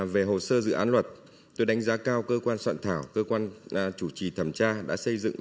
về hồ sơ dự án luật tôi đánh giá cao cơ quan soạn thảo cơ quan chủ trì thẩm tra đã xây dựng